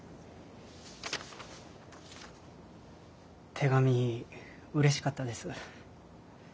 手紙うれしかったです。